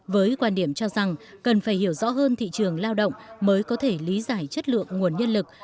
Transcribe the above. với quan điểm cho rằng cần phải hiểu rõ hơn thị trường lao động mới có thể lý giải chất lượng nguồn nhân lực